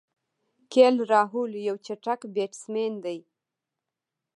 کی ایل راهوله یو چټک بیټسمېن دئ.